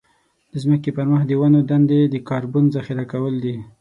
د ځمکې پر مخ د ونو دندې د کاربن ذخيره کول دي.